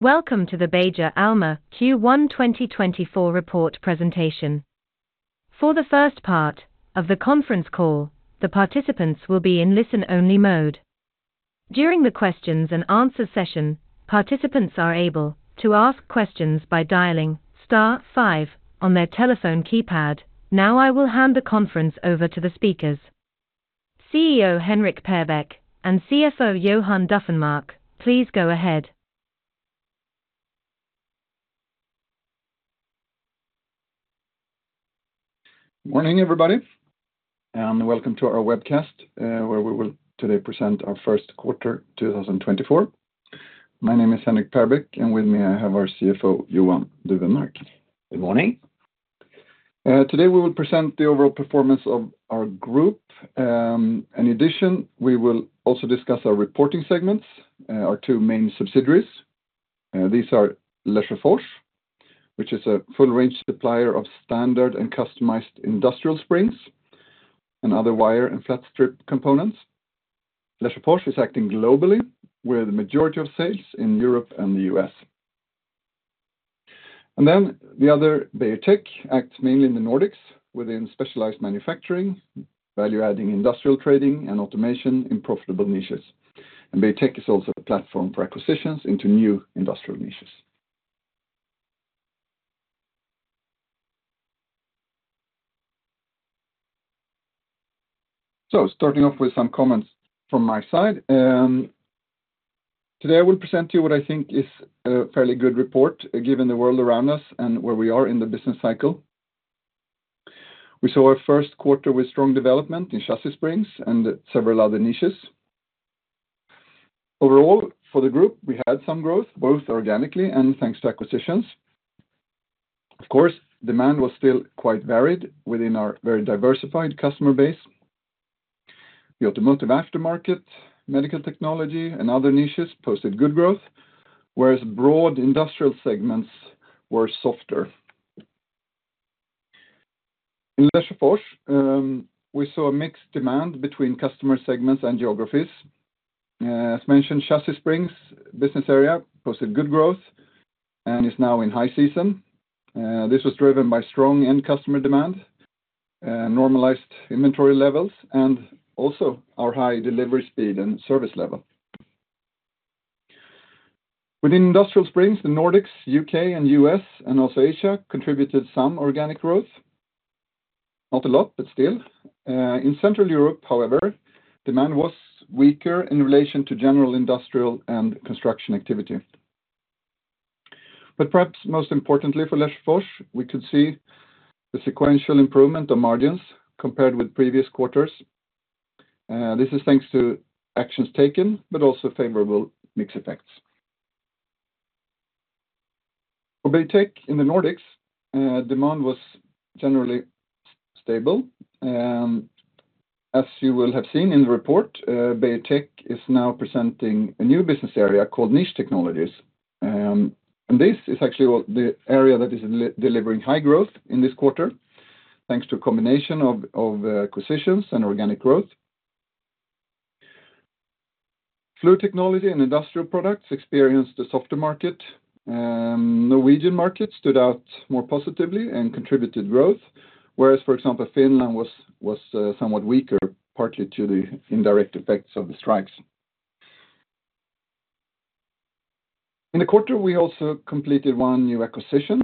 Welcome to the Beijer Alma Q1 2024 Report Presentation. For the first part of the conference call, the participants will be in listen-only mode. During the questions-and-answers session, participants are able to ask questions by dialing star five star on their telephone keypad. Now I will hand the conference over to the speakers. CEO Henrik Perbeck and CFO Johan Dufvenmark, please go ahead. Morning everybody, and welcome to our webcast where we will today present our first quarter 2024. My name is Henrik Perbeck, and with me I have our CFO Johan Dufvenmark. Good morning. Today we will present the overall performance of our group. In addition, we will also discuss our reporting segments, our two main subsidiaries. These are Lesjöfors, which is a full-range supplier of standard and customized industrial springs and other wire and flat-strip components. Lesjöfors is acting globally with the majority of sales in Europe and the U.S. And then the other, Beijer Tech, acts mainly in the Nordics within specialized manufacturing, value-adding industrial trading, and automation in profitable niches. And Beijer Tech is also a platform for acquisitions into new industrial niches. So starting off with some comments from my side, today I will present to you what I think is a fairly good report given the world around us and where we are in the business cycle. We saw a first quarter with strong development in Chassis Springs and several other niches. Overall, for the group, we had some growth, both organically and thanks to acquisitions. Of course, demand was still quite varied within our very diversified customer base. The automotive aftermarket, medical technology, and other niches posted good growth, whereas broad industrial segments were softer. In Lesjöfors, we saw a mixed demand between customer segments and geographies. As mentioned, Chassis Springs business area posted good growth and is now in high season. This was driven by strong end-customer demand, normalized inventory levels, and also our high delivery speed and service level. Within industrial springs, the Nordics, U.K., and U.S., and also Asia contributed some organic growth. Not a lot, but still. In Central Europe, however, demand was weaker in relation to general industrial and construction activity. But perhaps most importantly for Lesjöfors, we could see the sequential improvement of margins compared with previous quarters. This is thanks to actions taken, but also favorable mix effects. For Beijer Tech in the Nordics, demand was generally stable. As you will have seen in the report, Beijer Tech is now presenting a new business area called Niche Technologies. This is actually the area that is delivering high growth in this quarter, thanks to a combination of acquisitions and organic growth. Fluid Technology and Industrial Products experienced a softer market. Norwegian markets stood out more positively and contributed growth, whereas, for example, Finland was somewhat weaker, partly due to the indirect effects of the strikes. In the quarter, we also completed one new acquisition,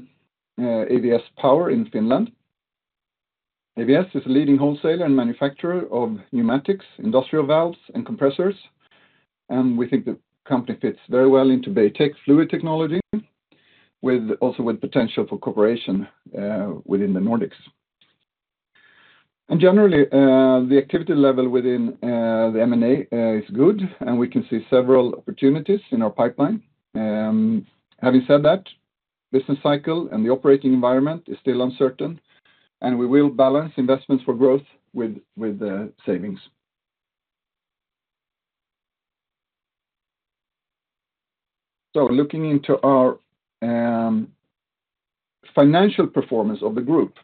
AVS Power in Finland. AVS is a leading wholesaler and manufacturer of pneumatics, industrial valves, and compressors. We think the company fits very well into Beijer Tech Fluid Technology, also with potential for cooperation within the Nordics. Generally, the activity level within the M&A is good, and we can see several opportunities in our pipeline. Having said that, business cycle and the operating environment is still uncertain, and we will balance investments for growth with savings. Looking into our financial performance of the group.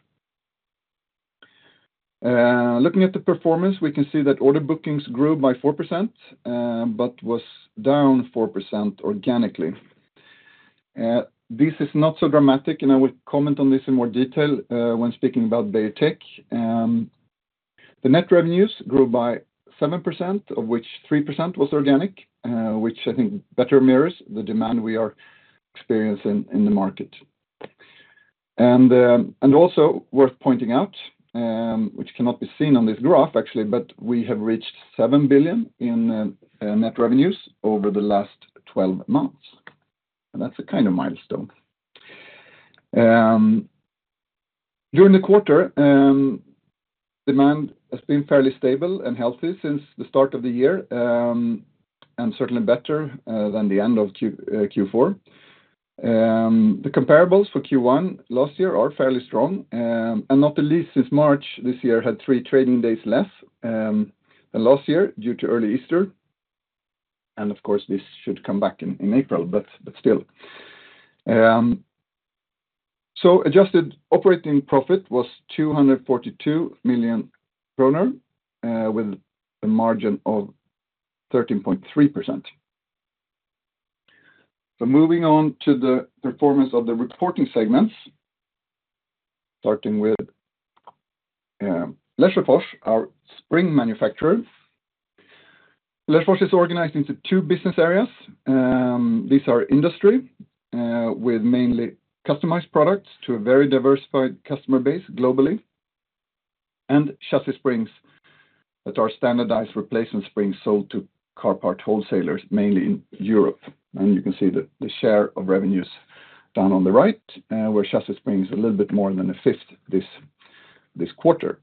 Looking at the performance, we can see that order bookings grew by 4% but was down 4% organically. This is not so dramatic, and I will comment on this in more detail when speaking about Beijer Tech. The net revenues grew by 7%, of which 3% was organic, which I think better mirrors the demand we are experiencing in the market. Also worth pointing out, which cannot be seen on this graph actually, but we have reached 7 billion in net revenues over the last 12 months. That's a kind of milestone. During the quarter, demand has been fairly stable and healthy since the start of the year, and certainly better than the end of Q4. The comparables for Q1 last year are fairly strong, and not the least since March this year had three trading days less than last year due to early Easter. Of course, this should come back in April, but still. Adjusted operating profit was 242 million kronor with a margin of 13.3%. Moving on to the performance of the reporting segments, starting with Lesjöfors, our spring manufacturer. Lesjöfors is organized into two business areas. These are industry with mainly customized products to a very diversified customer base globally, and Chassis Springs that are standardized replacement springs sold to car part wholesalers, mainly in Europe. You can see the share of revenues down on the right, where Chassis Springs are a little bit more than a fifth this quarter.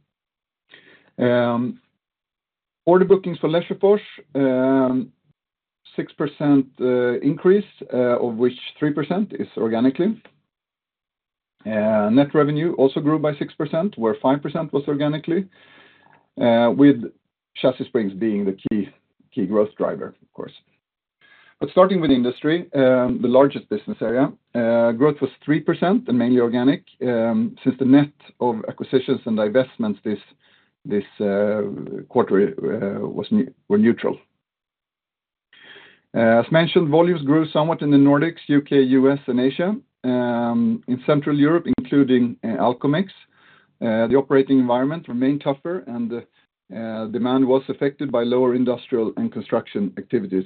Order bookings for Lesjöfors, 6% increase, of which 3% is organically. Net revenue also grew by 6%, where 5% was organically, with Chassis Cprings being the key growth driver, of course. But starting with industry, the largest business area, growth was 3% and mainly organic since the net of acquisitions and divestments this quarter were neutral. As mentioned, volumes grew somewhat in the Nordics, U.K., U.S., and Asia. In Central Europe, including Alcomex, the operating environment remained tougher, and demand was affected by lower industrial and construction activities.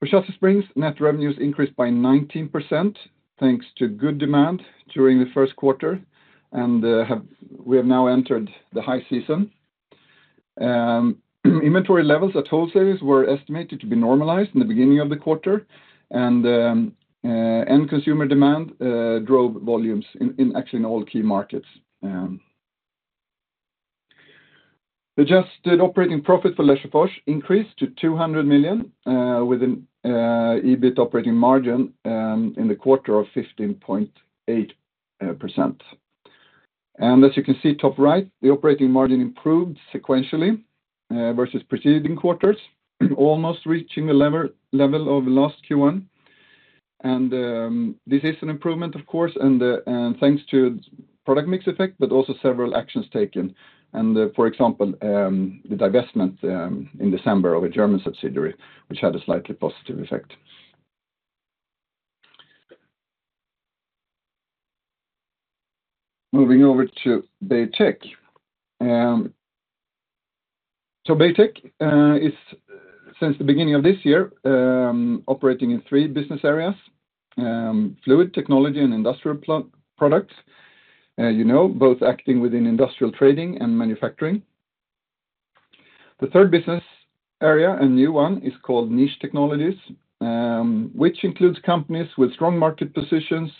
For Chassis Springs, net revenues increased by 19% thanks to good demand during the first quarter, and we have now entered the high season. Inventory levels at wholesalers were estimated to be normalized in the beginning of the quarter, and end-consumer demand drove volumes actually in all key markets. The adjusted operating profit for Lesjöfors increased to 200 million with an EBIT operating margin in the quarter of 15.8%. As you can see top right, the operating margin improved sequentially versus preceding quarters, almost reaching the level of last Q1. This is an improvement, of course, and thanks to product mix effect, but also several actions taken. For example, the divestment in December of a German subsidiary, which had a slightly positive effect. Moving over to Beijer Tech. Beijer Tech is, since the beginning of this year, operating in three business areas: Fluid Technology and Industrial Products, both acting within industrial trading and manufacturing. The third business area, a new one, is called Niche Technologies, which includes companies with strong market positions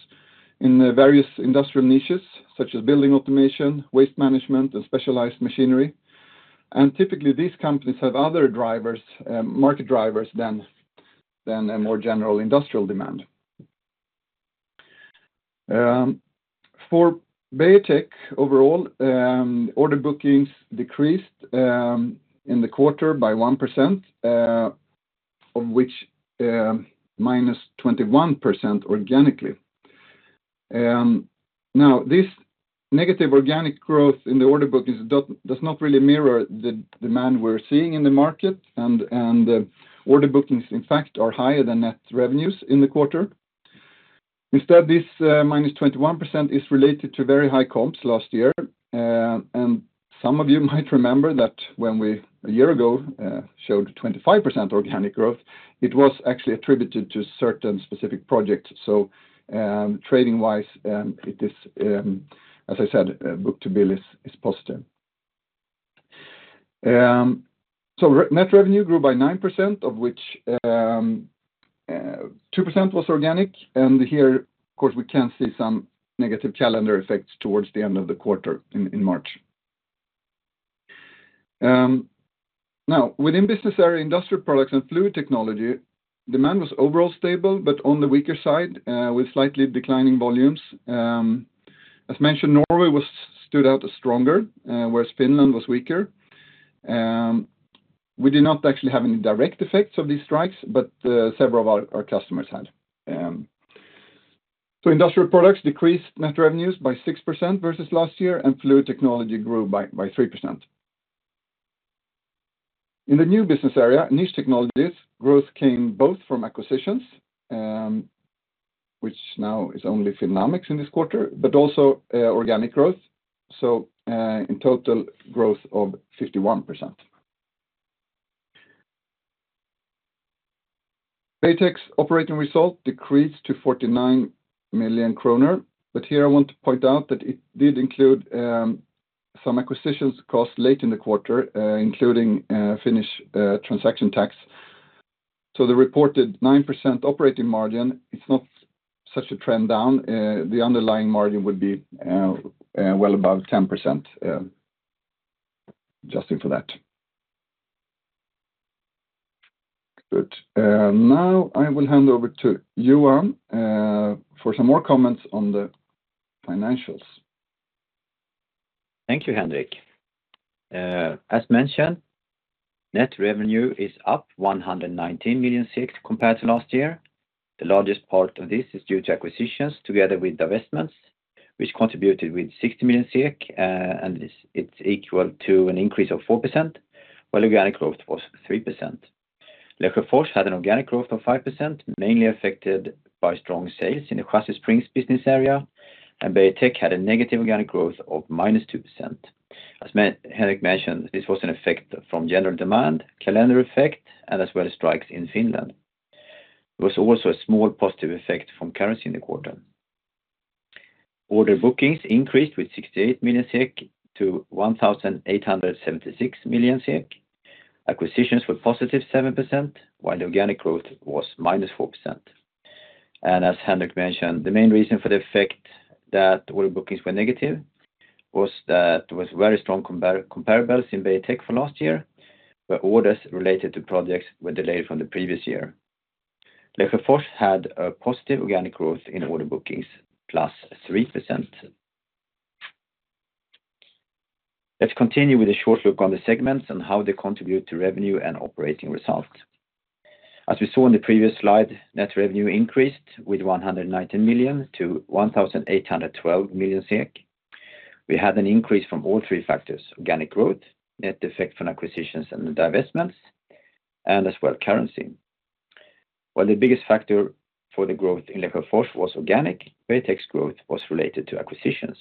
in various industrial niches such as building automation, waste management, and specialized machinery. Typically, these companies have other market drivers than a more general industrial demand. For Beijer Tech overall, order bookings decreased in the quarter by 1%, of which -21% organically. Now, this negative organic growth in the order bookings does not really mirror the demand we're seeing in the market, and order bookings, in fact, are higher than net revenues in the quarter. Instead, this -21% is related to very high comps last year. Some of you might remember that when we a year ago showed 25% organic growth, it was actually attributed to certain specific projects. So trading-wise, it is, as I said, book-to-bill is positive. So net revenue grew by 9%, of which 2% was organic. And here, of course, we can see some negative calendar effects towards the end of the quarter in March. Now, within business area, Industrial Products, and Fluid Technology, demand was overall stable, but on the weaker side with slightly declining volumes. As mentioned, Norway stood out as stronger, whereas Finland was weaker. We did not actually have any direct effects of these strikes, but several of our customers had. So Industrial Products decreased net revenues by 6% versus last year, and Fluid Technology grew by 3%. In the new business area, Niche Technologies, growth came both from acquisitions, which now is only Finn Lamex in this quarter, but also organic growth. So in total, growth of 51%. Beijer Tech's operating result decreased to 49 million kronor. Here I want to point out that it did include some acquisition costs late in the quarter, including Finnish transaction tax. The reported 9% operating margin, it's not such a trend down. The underlying margin would be well above 10%, adjusting for that. Good. Now I will hand over to Johan for some more comments on the financials. Thank you, Henrik. As mentioned, net revenue is up 119 million compared to last year. The largest part of this is due to acquisitions together with divestments, which contributed with 60 million, and it's equal to an increase of 4%, while organic growth was 3%. Lesjöfors had an organic growth of 5%, mainly affected by strong sales in the Chassis Springs business area, and Beijer Tech had a negative organic growth of -2%. As Henrik mentioned, this was an effect from general demand, calendar effect, and as well as strikes in Finland. There was also a small positive effect from currency in the quarter. Order bookings increased with 68 million to 1,876 million. Acquisitions were positive 7%, while the organic growth was -4%. As Henrik mentioned, the main reason for the effect that order bookings were negative was that there were very strong comparables in Beijer Tech for last year, where orders related to projects were delayed from the previous year. Lesjöfors had a positive organic growth in order bookings, +3%. Let's continue with a short look on the segments and how they contribute to revenue and operating results. As we saw in the previous slide, net revenue increased with 119 million to 1,812 million SEK. We had an increase from all three factors: organic growth, net effect from acquisitions and divestments, and as well currency. While the biggest factor for the growth in Lesjöfors was organic, Beijer Tech's growth was related to acquisitions.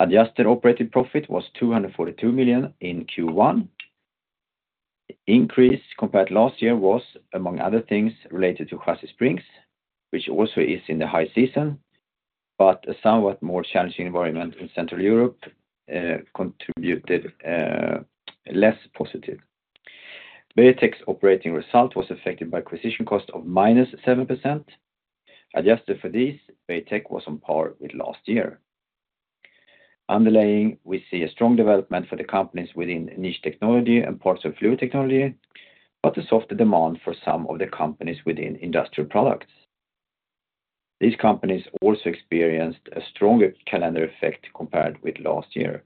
Adjusted operating profit was 242 million in Q1. Increase compared to last year was, among other things, related to Chassis Springs, which also is in the high season, but a somewhat more challenging environment in Central Europe contributed less positive. Beijer Tech's operating result was affected by acquisition costs of -7%. Adjusted for these, Beijer Tech was on par with last year. Underlying, we see a strong development for the companies within Niche Technology and parts of Fluid Technology, but a softer demand for some of the companies within Industrial Products. These companies also experienced a stronger calendar effect compared with last year.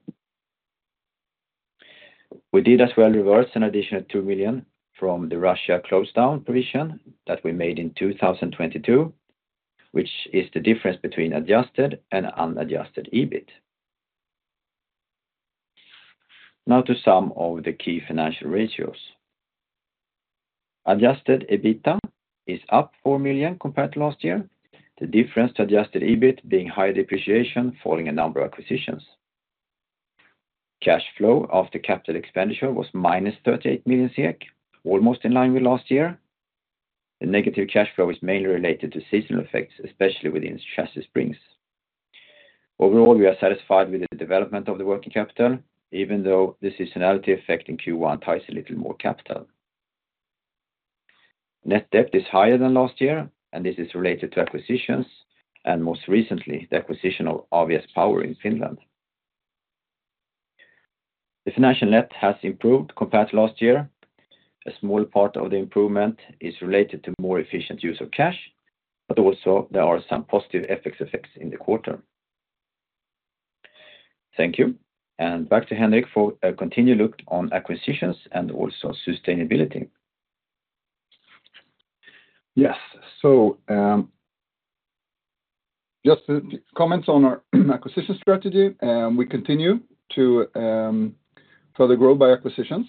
We did as well reverse an additional 2 million from the Russia closed-down provision that we made in 2022, which is the difference between adjusted and unadjusted EBIT. Now to some of the key financial ratios. Adjusted EBITDA is up 4 million compared to last year, the difference to adjusted EBIT being higher depreciation following a number of acquisitions. Cash flow after capital expenditure was -38 million, almost in line with last year. The negative cash flow is mainly related to seasonal effects, especially within Chassis Springs. Overall, we are satisfied with the development of the working capital, even though the seasonality effect in Q1 ties a little more capital. Net debt is higher than last year, and this is related to acquisitions, and most recently, the acquisition of AVS Power in Finland. The financial net has improved compared to last year. A small part of the improvement is related to more efficient use of cash, but also there are some positive FX effects in the quarter. Thank you. Back to Henrik for a continued look on acquisitions and also sustainability. Yes. So just comments on our acquisition strategy. We continue to further grow by acquisitions.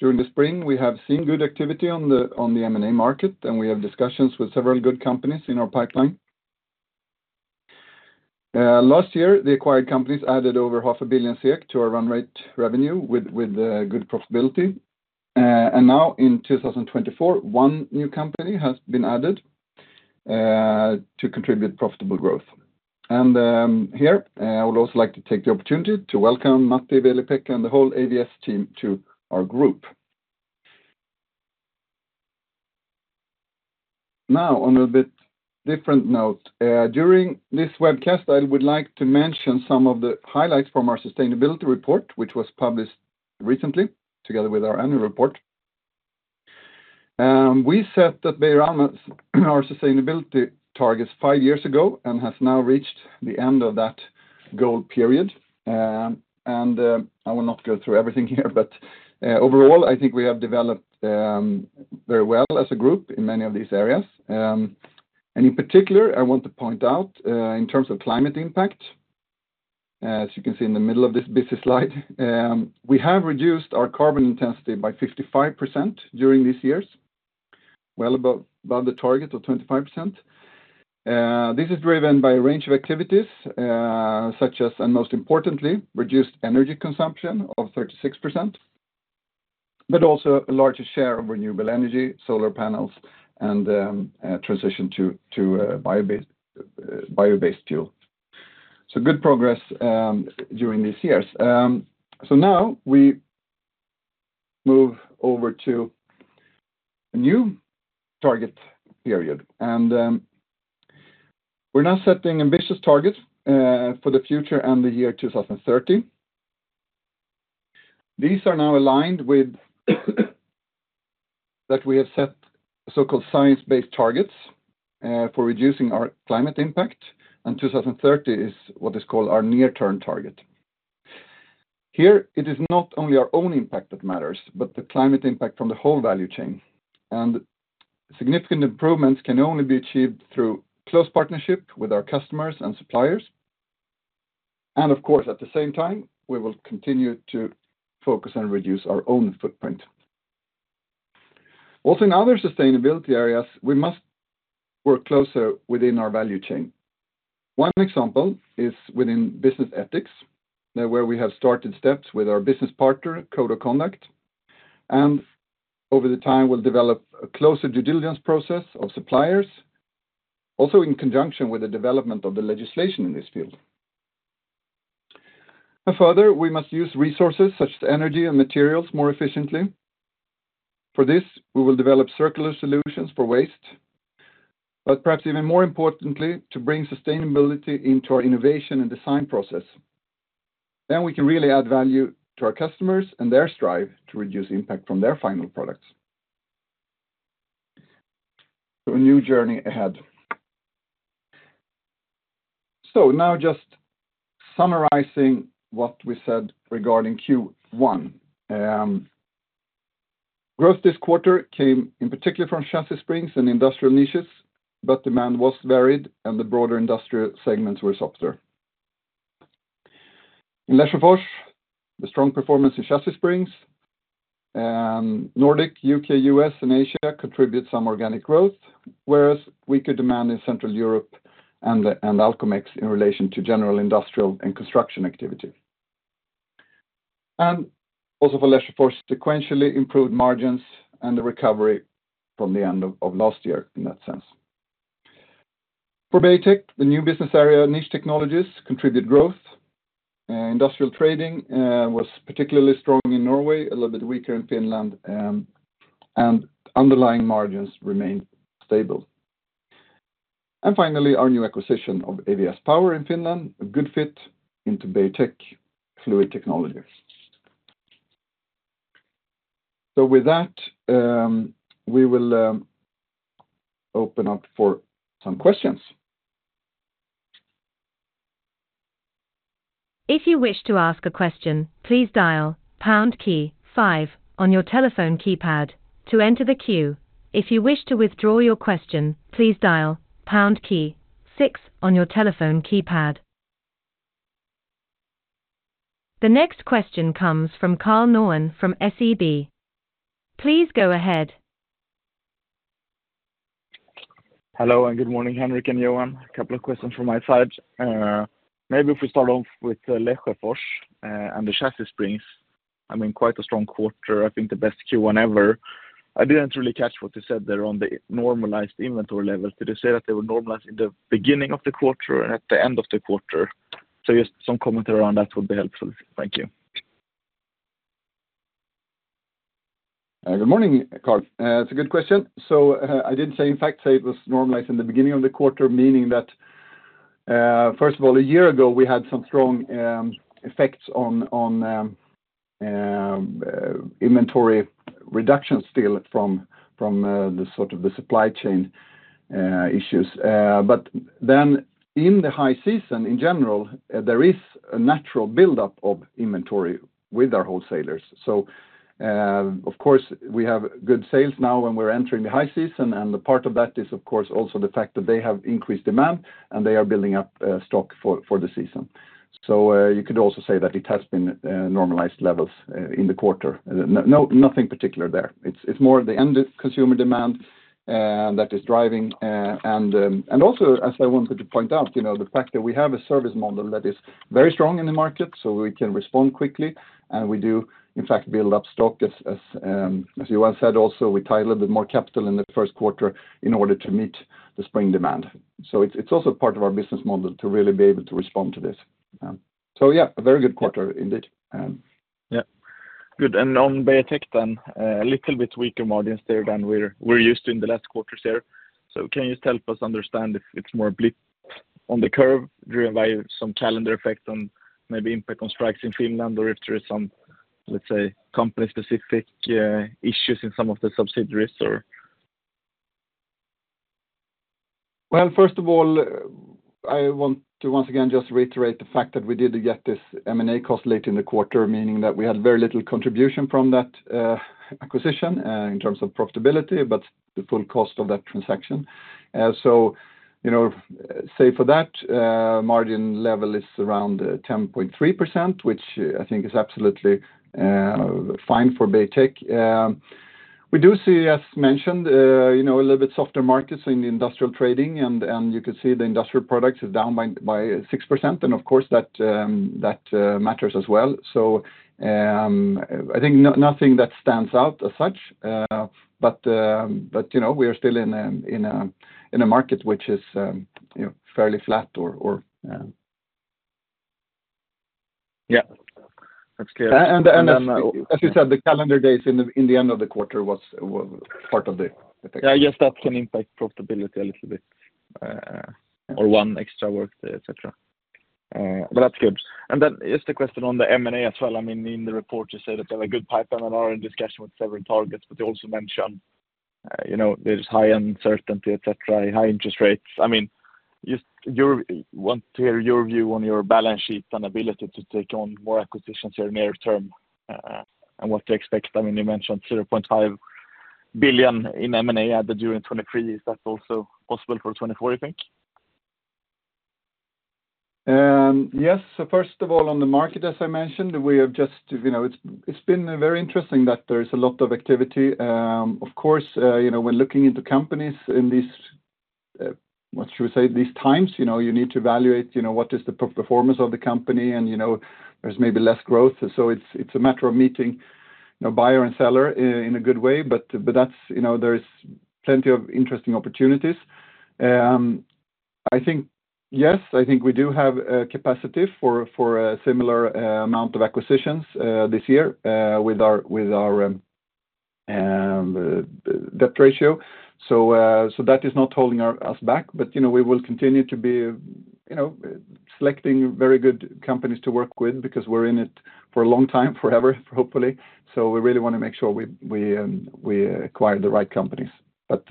During the spring, we have seen good activity on the M&A market, and we have discussions with several good companies in our pipeline. Last year, the acquired companies added over 500 million to our run rate revenue with good profitability. And now in 2024, one new company has been added to contribute profitable growth. And here, I would also like to take the opportunity to welcome Matti Veli-Pekka and the whole AVS team to our group. Now, on a bit different note, during this webcast, I would like to mention some of the highlights from our sustainability report, which was published recently together with our annual report. We set that Beijer Alma's sustainability targets five years ago and has now reached the end of that goal period. I will not go through everything here, but overall, I think we have developed very well as a group in many of these areas. In particular, I want to point out in terms of climate impact. As you can see in the middle of this busy slide, we have reduced our carbon intensity by 55% during these years, well above the target of 25%. This is driven by a range of activities such as, and most importantly, reduced energy consumption of 36%, but also a larger share of renewable energy, solar panels, and transition to bio-based fuel. Good progress during these years. Now we move over to a new target period. We're now setting ambitious targets for the future and the year 2030. These are now aligned with that we have set so-called Science Based Targets for reducing our climate impact, and 2030 is what is called our near-term target. Here, it is not only our own impact that matters, but the climate impact from the whole value chain. Significant improvements can only be achieved through close partnership with our customers and suppliers. Of course, at the same time, we will continue to focus and reduce our own footprint. Also, in other sustainability areas, we must work closer within our value chain. One example is within business ethics, where we have started steps with our business partner, Code of Conduct, and over time, we'll develop a closer due diligence process of suppliers, also in conjunction with the development of the legislation in this field. Further, we must use resources such as energy and materials more efficiently. For this, we will develop circular solutions for waste, but perhaps even more importantly, to bring sustainability into our innovation and design process. Then we can really add value to our customers and their strive to reduce impact from their final products. So a new journey ahead. So now just summarizing what we said regarding Q1. Growth this quarter came in particular from Chassis Springs and industrial springs, but demand was varied and the broader industrial segments were softer. In Lesjöfors, the strong performance in Chassis Springs, and Nordic, U.K., U.S., and Asia contribute some organic growth, whereas weaker demand in Central Europe and Alcomex in relation to general industrial and construction activity. And also for Lesjöfors, sequentially improved margins and the recovery from the end of last year in that sense. For Beijer Tech, the new business area, Niche Technologies, contribute growth. Industrial trading was particularly strong in Norway, a little bit weaker in Finland, and underlying margins remained stable. Finally, our new acquisition of AVS Power in Finland, a good fit into Beijer Tech Fluid Technology. With that, we will open up for some questions. If you wish to ask a question, please dial pound key five on your telephone keypad to enter the queue. If you wish to withdraw your question, please dial pound key six on your telephone keypad. The next question comes from Karl Norén from SEB. Please go ahead. Hello, and good morning, Henrik and Johan. A couple of questions from my side. Maybe if we start off with Lesjöfors and the Chassis Springs. I mean, quite a strong quarter, I think the best Q1 ever. I didn't really catch what you said there on the normalized inventory level. Did you say that they were normalized in the beginning of the quarter and at the end of the quarter? So just some comment around that would be helpful. Thank you. Good morning, Karl. It's a good question. So I did say, in fact, say it was normalized in the beginning of the quarter, meaning that first of all, a year ago, we had some strong effects on inventory reduction still from the sort of the supply chain issues. But then in the high season, in general, there is a natural buildup of inventory with our wholesalers. So of course, we have good sales now when we're entering the high season, and part of that is, of course, also the fact that they have increased demand and they are building up stock for the season. So you could also say that it has been normalized levels in the quarter. Nothing particular there. It's more the end consumer demand that is driving. And also, as I wanted to point out, the fact that we have a service model that is very strong in the market, so we can respond quickly, and we do, in fact, build up stock. As Johan said also, we tied a little bit more capital in the first quarter in order to meet the spring demand. So it's also part of our business model to really be able to respond to this. So yeah, a very good quarter indeed. Yeah. Good. And on Beijer Tech then, a little bit weaker margins there than we're used to in the last quarters here. So can you just help us understand if it's more blip on the curve driven by some calendar effect on maybe impact on strikes in Finland or if there is some, let's say, company-specific issues in some of the subsidiaries or? Well, first of all, I want to once again just reiterate the fact that we did get this M&A cost late in the quarter, meaning that we had very little contribution from that acquisition in terms of profitability, but the full cost of that transaction. So say for that, margin level is around 10.3%, which I think is absolutely fine for Beijer Tech. We do see, as mentioned, a little bit softer markets in the industrial trading, and you could see the Industrial Products is down by 6%, and of course, that matters as well. So I think nothing that stands out as such. But we are still in a market which is fairly flat or. Yeah. That's clear. As you said, the calendar days in the end of the quarter was part of the effect. Yeah, yes, that can impact profitability a little bit or one extra workday, etc. But that's good. And then just a question on the M&A as well. I mean, in the report, you say that they have a good pipeline and are in discussion with several targets, but you also mentioned there's high uncertainty, etc., high interest rates. I mean, I want to hear your view on your balance sheet and ability to take on more acquisitions here near term and what to expect. I mean, you mentioned 500 million in M&A added during 2023. Is that also possible for 2024, you think? Yes. So first of all, on the market, as I mentioned, we have just, it's been very interesting that there is a lot of activity. Of course, when looking into companies in these, what should we say, these times, you need to evaluate what is the performance of the company, and there's maybe less growth. So it's a matter of meeting buyer and seller in a good way, but there is plenty of interesting opportunities. I think, yes, I think we do have a capacity for a similar amount of acquisitions this year with our debt ratio. So that is not holding us back, but we will continue to be selecting very good companies to work with because we're in it for a long time, forever, hopefully. So we really want to make sure we acquire the right companies. But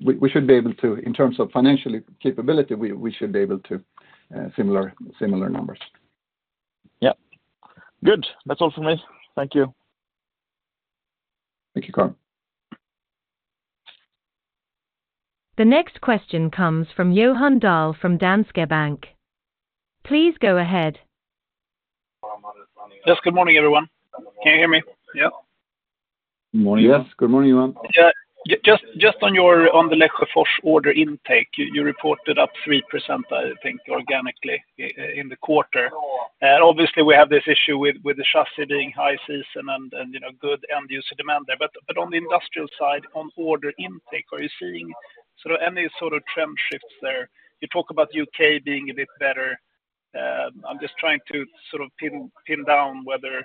we should be able to, in terms of financial capability, we should be able to similar numbers. Yeah. Good. That's all from me. Thank you. Thank you, Karl. The next question comes from Johan Dahl from Danske Bank. Please go ahead. Yes, good morning, everyone. Can you hear me? Yeah. Good morning. Yes, good morning, Johan. Yeah. Just on the Lesjöfors order intake, you reported up 3%, I think, organically in the quarter. Obviously, we have this issue with the chassis being high season and good end-user demand there. But on the industrial side, on order intake, are you seeing any sort of trend shifts there? You talk about U.K. being a bit better. I'm just trying to sort of pin down whether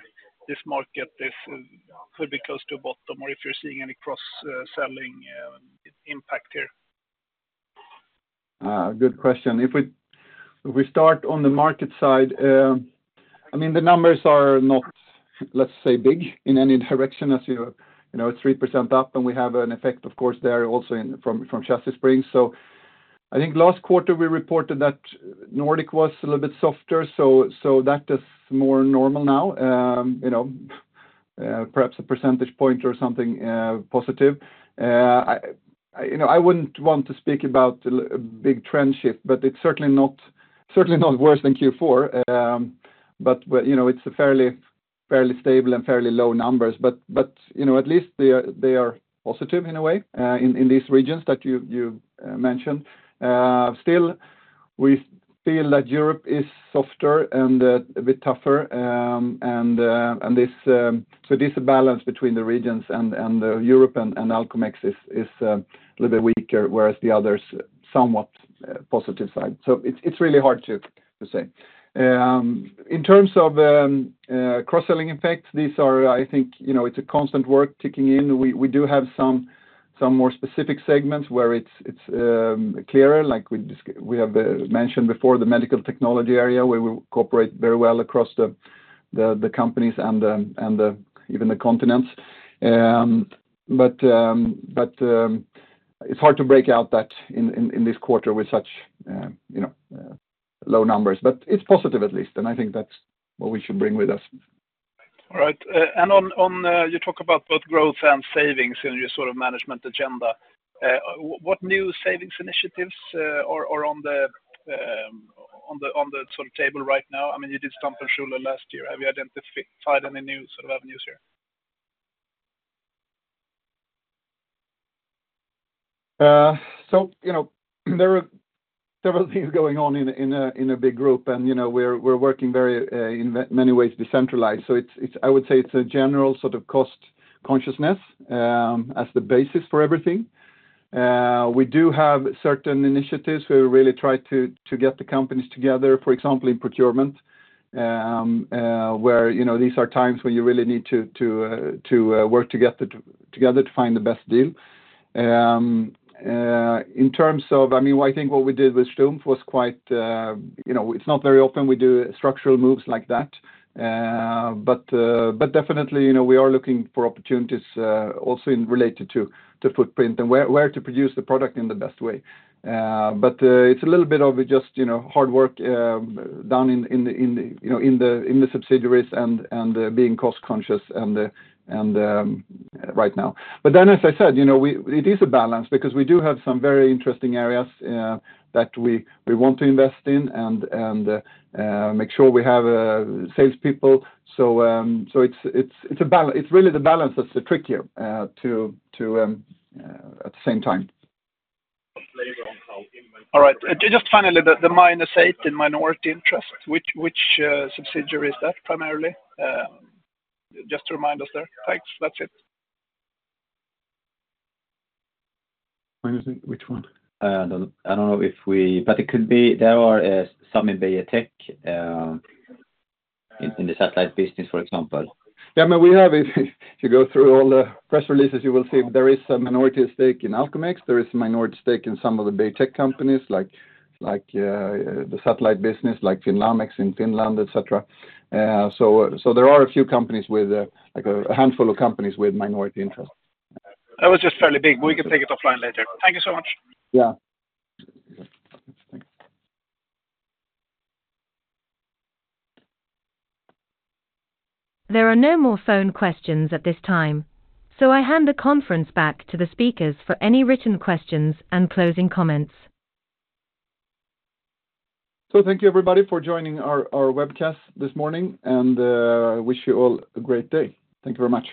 this market could be close to a bottom or if you're seeing any cross-selling impact here. Good question. If we start on the market side, I mean, the numbers are not, let's say, big in any direction as you know, it's 3% up, and we have an effect, of course, there also from Chassis Springs. So I think last quarter, we reported that Nordics was a little bit softer, so that is more normal now, perhaps a percentage point or something positive. I wouldn't want to speak about a big trend shift, but it's certainly not worse than Q4. But it's fairly stable and fairly low numbers. But at least they are positive in a way in these regions that you mentioned. Still, we feel that Europe is softer and a bit tougher. And so it is a balance between the regions, and Europe and Alcomex is a little bit weaker, whereas the others are somewhat positive side. So it's really hard to say. In terms of cross-selling effects, these are, I think, it's a constant work ticking in. We do have some more specific segments where it's clearer. Like we have mentioned before, the medical technology area where we cooperate very well across the companies and even the continents. But it's hard to break out that in this quarter with such low numbers. But it's positive at least, and I think that's what we should bring with us. All right. You talk about both growth and savings in your sort of management agenda. What new savings initiatives are on the sort of table right now? I mean, you did Stumpf & Schüle last year. Have you identified any new sort of avenues here? So there are several things going on in a big group, and we're working very, in many ways, decentralized. So I would say it's a general sort of cost consciousness as the basis for everything. We do have certain initiatives where we really try to get the companies together, for example, in procurement, where these are times when you really need to work together to find the best deal. In terms of, I mean, I think what we did with Stumpf was quite. It's not very often we do structural moves like that. But definitely, we are looking for opportunities also related to footprint and where to produce the product in the best way. But it's a little bit of just hard work down in the subsidiaries and being cost-conscious right now. But then, as I said, it is a balance because we do have some very interesting areas that we want to invest in and make sure we have salespeople. So it's really the balance that's the trick here at the same time. All right. Just finally, the -8 in minority interest, which subsidiary is that primarily? Just to remind us there. Thanks. That's it. -8, which one? I don't know if we, but it could be there are some in Beijer Tech in the satellite business, for example. Yeah, I mean, we have if you go through all the press releases, you will see there is a minority stake in Alcomex. There is a minority stake in some of the Beijer Tech companies like the satellite business, like Finn Lamex in Finland, etc. So there are a few companies with a handful of companies with minority interest. That was just fairly big. We can take it offline later. Thank you so much. Yeah. There are no more phone questions at this time, so I hand the conference back to the speakers for any written questions and closing comments. Thank you, everybody, for joining our webcast this morning, and I wish you all a great day. Thank you very much.